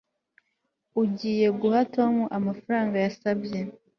ugiye guha tom amafaranga yasabye